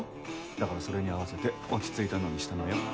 だからそれに合わせて落ち着いたのにしたのよ。